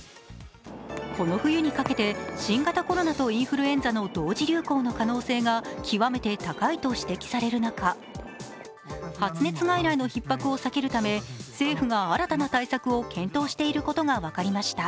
この冬にかけて新型コロナとインフルエンザの同時流行の可能性が極めて高いと指摘される中発熱外来のひっ迫を避けるため政府が新たな対策を検討していることが分かりました。